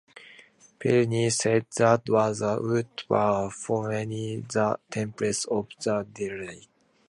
Pliny sais that the woods were formerly the temples of the deities.